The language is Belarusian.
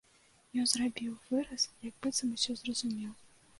Ён зрабіў выраз, як быццам усё зразумеў.